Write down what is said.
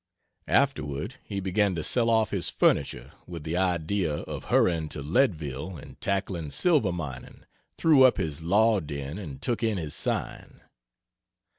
Afterward he began to sell off his furniture, with the idea of hurrying to Leadville and tackling silver mining threw up his law den and took in his sign.